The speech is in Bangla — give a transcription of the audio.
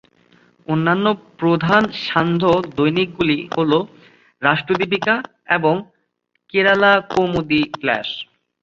অন্যান্য প্রধান সান্ধ্য দৈনিকগুলি হল "রাষ্টদীপিকা" এবং "কেরালা কৌমুদি ফ্ল্যাশ"।